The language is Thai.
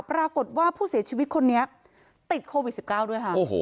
ปรากฏว่าผู้เสียชีวิตคนนี้ติดโควิด๑๙ด้วยค่ะ